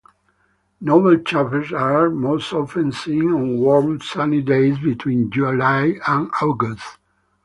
Noble chafers are most often seen on warm sunny days between July and August.